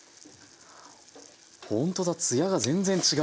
ほんとだツヤが全然違う！